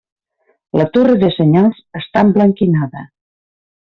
La torre de senyals està emblanquinada.